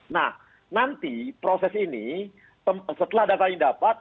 nah nanti proses ini setelah data ini dapat